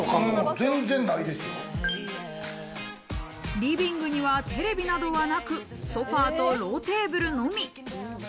リビングにはテレビなどはなく、ソファとローテーブルのみ。